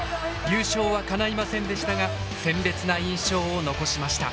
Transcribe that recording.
優勝はかないませんでしたが鮮烈な印象を残しました。